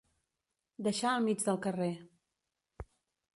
Deixar al mig del carrer.